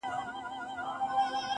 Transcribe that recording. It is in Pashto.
• بس ده ژړا مه كوه مړ به مي كړې.